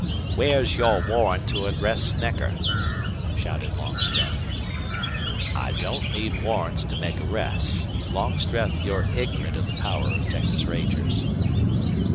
"Where's your warrant to arrest Snecker?" shouted Longstreth. "I don't need warrants to make arrests. Longstreth, you're ignorant of the power of Texas Rangers."